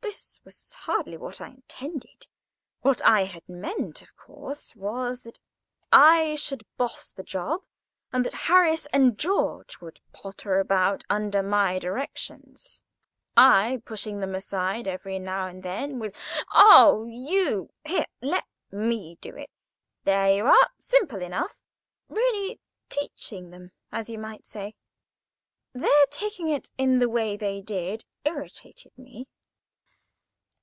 This was hardly what I intended. What I had meant, of course, was, that I should boss the job, and that Harris and George should potter about under my directions, I pushing them aside every now and then with, "Oh, you—!" "Here, let me do it." "There you are, simple enough!"—really teaching them, as you might say. Their taking it in the way they did irritated me.